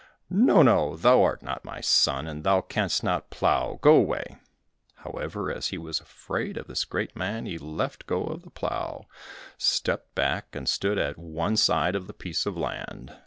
"No, no, thou art not my son; and thou canst not plough go away!" However, as he was afraid of this great man, he left go of the plough, stepped back and stood at one side of the piece of land.